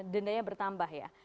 dendanya bertambah ya